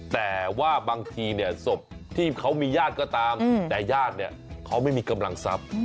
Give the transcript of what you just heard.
แต่ว่าบางทีเนี่ยศพที่เขามีญาติก็ตามแต่ญาติเนี่ยเขาไม่มีกำลังทรัพย์